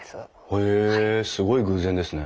へえすごい偶然ですね。